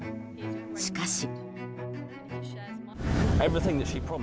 しかし。